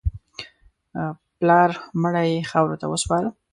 پلار مړی یې خاورو ته وسپاره.